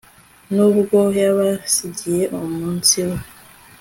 Nubwo yabasigiye umunsi we